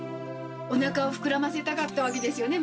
おなかを膨らませたかったわけですよね昔はね。